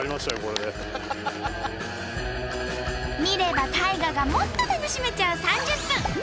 見れば大河がもっと楽しめちゃう３０分。